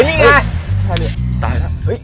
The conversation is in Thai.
อันนี่ไง